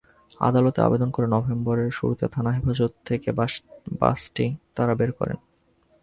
আদালতে আবেদন করে নভেম্বরের শুরুতে থানা হেফাজত থেকে বাসটি তাঁরা বের করেন।